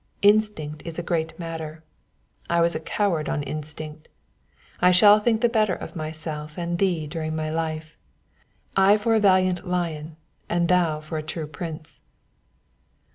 Instinct is a great matter; I was a coward on instinct. I shall think the better of myself and thee during my life; I for a valiant lion, and thou for a true prince.'"